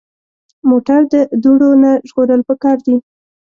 موټر د دوړو نه ژغورل پکار دي.